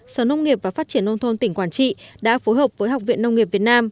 sở nông nghiệp và phát triển nông thôn tỉnh quảng trị đã phối hợp với học viện nông nghiệp việt nam